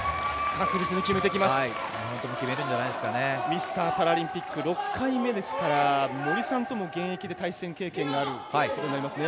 ミスターパラリンピック６回目ですから森さんとも現役で対戦経験があるということですね。